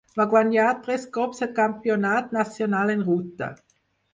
Va guanyar tres cops el Campionat nacional en ruta.